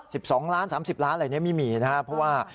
สิบสองล้านสามสิบล้านอะไรเนี้ยไม่มีนะครับเพราะว่า